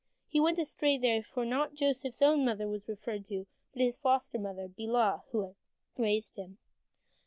He went astray there, for not Joseph's own mother was referred to, but his foster mother Bilhah, who had raised him.